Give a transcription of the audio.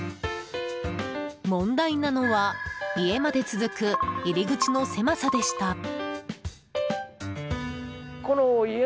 問題なのは家まで続く入り口の狭さでした。